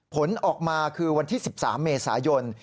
ผลออกมาคือวันที่๑๓เมษายน